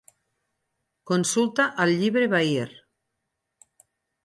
Consulta el llibre Bahir.